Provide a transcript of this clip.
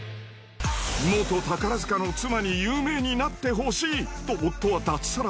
元宝塚の妻に有名になってほしいと夫は脱サラ。